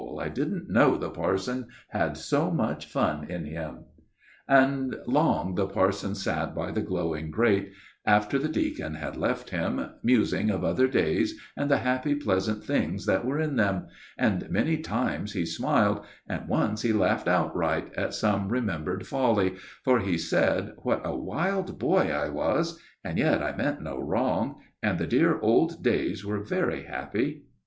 I didn't know the parson had so much fun in him." And long the parson sat by the glowing grate after the deacon had left him, musing of other days, and the happy, pleasant things that were in them; and many times he smiled, and once he laughed outright at some remembered folly, for he said, "What a wild boy I was, and yet I meant no wrong; and the dear old days were very happy."